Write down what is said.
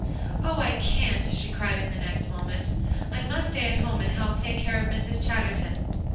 "Oh! I can't," she cried the next moment. "I must stay at home, and help take care of Mrs. Chatterton."